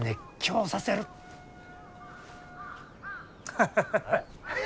ハハハハハ。